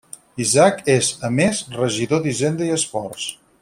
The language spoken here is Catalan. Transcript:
Isaac és, a més, regidor d'Hisenda i Esports.